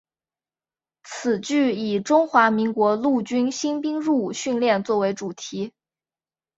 此剧以中华民国陆军新兵入伍训练作为主题。